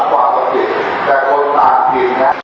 ต้องอยู่ชีวิตไว้ค่ะ